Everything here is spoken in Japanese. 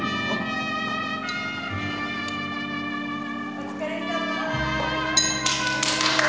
お疲れさま！